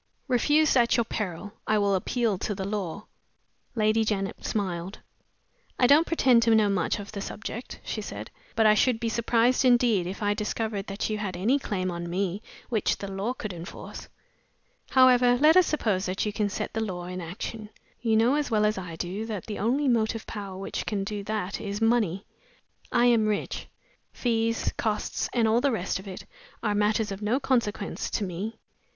"Refuse at your peril. I will appeal to the law." Lady Janet smiled. "I don't pretend to much knowledge of the subject," she said; "but I should be surprised indeed if I discovered that you had any claim on me which the law could enforce. However, let us suppose that you can set the law in action. You know as well as I do that the only motive power which can do that is money. I am rich; fees, costs, and all the rest of it are matters of no sort of consequence to me.